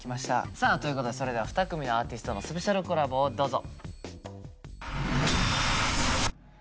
さあということでそれではふた組のアーティストのスペシャルコラボをどうぞ！